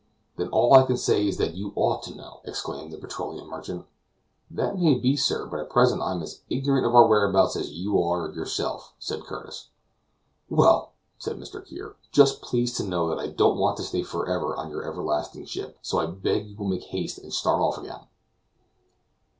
Then all I can say is that you ought to know!" exclaimed the petroleum merchant. "That may be, sir; but at present I am as ignorant of our whereabouts as you are yourself," said Curtis. "Well," said Mr. Kear, "just please to know that I don't want to stay forever on your everlasting ship, so I beg you will make haste and start off again."